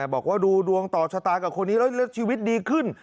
บอกว่าดูดวงต่อชะตากับคนนี้แล้วชีวิตดีขึ้น